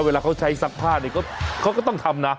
เวลาเขาใช้ซักผ้าเนี่ยเขาก็ต้องทำนะ